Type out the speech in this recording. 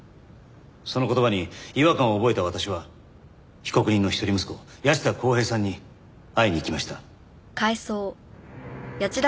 その言葉に違和感を覚えた私は被告人の一人息子谷内田康平さんに会いに行きました。